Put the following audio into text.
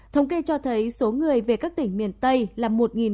thống kê cho thấy số người về các tỉnh miền tây là một bảy trăm linh